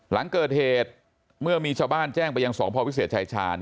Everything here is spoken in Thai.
หลังเกิดเหตุเมื่อมีชาวบ้านแจ้งไปยังสพวิเศษชายชาญ